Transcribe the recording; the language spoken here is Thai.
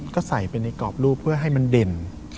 ก็ใส่ไปในกรอบรูปเพื่อให้มันเด่น